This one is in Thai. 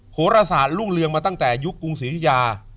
โหรศาสตร์รุ่งเรืองมาตั้งแต่ยุคกรุงศิริยา